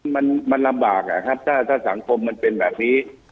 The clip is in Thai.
มันรำบากนะครับถ้าถ้าส่างคมมันเป็นแบบนี้ครับ